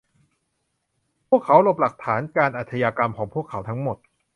พวกเขาลบหลักฐานการอาชญากรรมของพวกเขาทั้งหมด